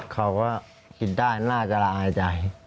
เขาก็คิดได้น่าจะละอายใจ